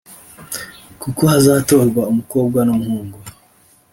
kuko hazatorwa umukobwa n’umuhungu